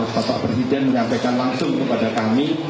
bapak presiden menyampaikan langsung kepada kami